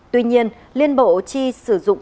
tuy nhiên liên bộ chi sử dụng